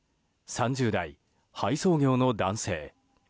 ３０代、配送業の男性。